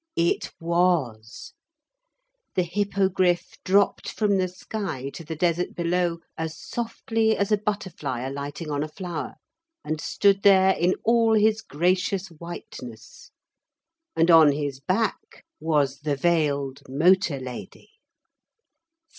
It was. The Hippogriff dropped from the sky to the desert below as softly as a butterfly alighting on a flower, and stood there in all his gracious whiteness. And on his back was the veiled motor lady.